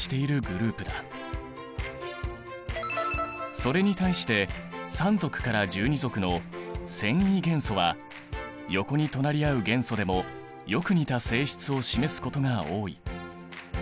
それに対して３族から１２族の遷移元素は横に隣り合う元素でもよく似た性質を示すことが多い。